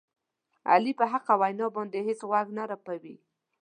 علي په حقه وینا باندې هېڅ غوږ نه رپوي.